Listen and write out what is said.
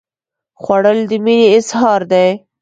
خوړل د مینې اظهار دی